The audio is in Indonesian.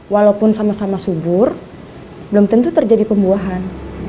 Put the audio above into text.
walaupun sama sama subur belum tentu terjadi pembuahan